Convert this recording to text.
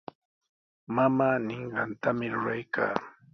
Mamaa ninqantami ruraykaa.